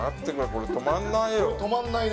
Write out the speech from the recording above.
これ止まんない